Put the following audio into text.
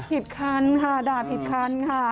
ผิดคันค่ะด่าผิดคันค่ะ